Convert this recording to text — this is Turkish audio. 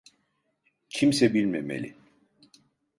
Kimse bilmemeli.